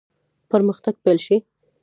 پرمختګ پیل شي.